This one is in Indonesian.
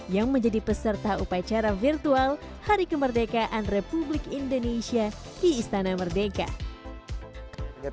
yang menjadi peserta upacara virtual hari kemerdekaan republik indonesia di istana merdeka